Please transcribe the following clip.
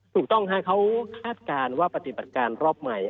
ถูกต้องค่ะเขาคาดการณ์ว่าปฏิบัติการรอบใหม่